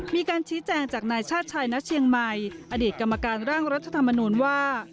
มีการชี้แจงจากนายชาติชายณเชียงใหม่อดีตกรรมการร่างรัฐธรรมนูญว่า